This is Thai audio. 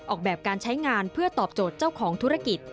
ออกแบบการใช้งานเพื่อตอบโจทย์เจ้าของธุรกิจ